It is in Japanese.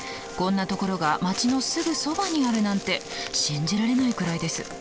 こんなところが街のすぐそばにあるなんて信じられないくらいです。